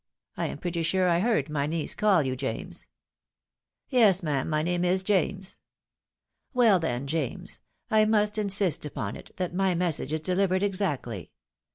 I am pretty sure I heard my niece caU you James." " Yes, ma'am, my name is James." " Well then, James, I must insist upon it that my message is delivered exactly.